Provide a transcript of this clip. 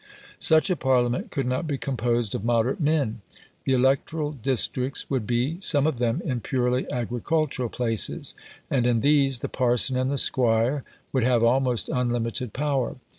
Such a Parliament could not be composed of moderate men. The electoral districts would be, some of them, in purely agricultural places, and in these the parson and the squire would have almost unlimited power.